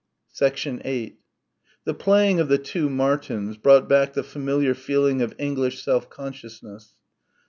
8 The playing of the two Martins brought back the familiar feeling of English self consciousness.